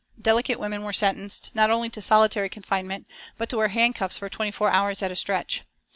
Delicate women were sentenced, not only to solitary confinement, but to wear handcuffs for twenty four hours at a stretch.